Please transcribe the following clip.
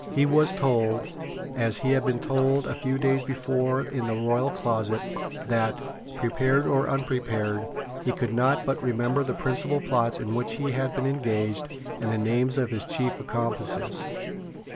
He was told, as he had been told a few days before in the royal closet, that, prepared or unprepared, he could not but remember the principal plots in which he had been engaged, and the names of his chief accomplices.